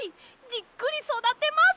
じっくりそだてます！